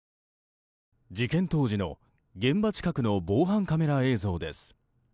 事件当時の現場近くの防犯カメラ映像です。